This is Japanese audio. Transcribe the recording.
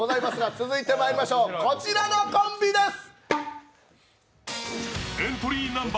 続いてまいりましょう、こちらのコンビです。